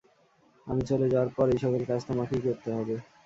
আমি চলে যাওয়ার পর এই সকল কাজ, তোমাকেই করতে হবে।